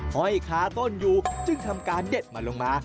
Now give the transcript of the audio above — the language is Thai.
ห้อยคาต้นอยู่จึงทำการเด็ดมาลงมา